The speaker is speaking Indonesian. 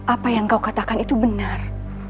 apa yang kau katakan itu benar